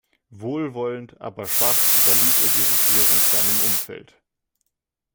Wohlwollend, aber schwach, überließ er die Regierung seinem Umfeld.